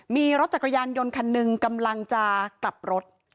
มีรถจักรยานยนต์คันหนึ่งกำลังจะกลับรถ